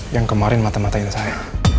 yang kemarin mata mata itu saya